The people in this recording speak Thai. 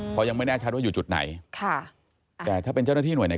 เพราะยังไม่แน่ชัดว่าอยู่จุดไหนค่ะแต่ถ้าเป็นเจ้าหน้าที่หน่วยไหน